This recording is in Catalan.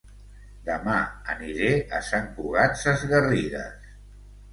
Dema aniré a Sant Cugat Sesgarrigues